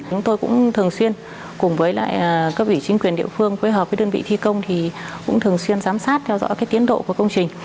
chúng tôi cũng thường xuyên cùng với lại các vị chính quyền địa phương với hợp với đơn vị thi công thì cũng thường xuyên giám sát theo dõi cái tiến độ của công trình